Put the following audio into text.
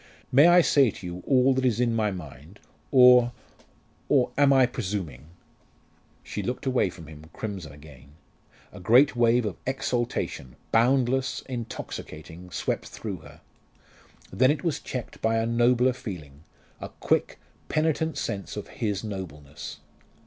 May I say to you all that is in my mind or or am I presuming?" She looked away from him, crimson again. A great wave of exultation boundless, intoxicating swept through her. Then it was checked by a nobler feeling a quick, penitent sense of his nobleness.